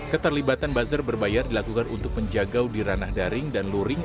keterlibatan buzzer berbayar dilakukan untuk menjaga di ranah daring dan luring